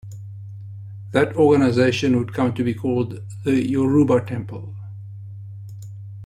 That organization would come to be called the "Yoruba Temple".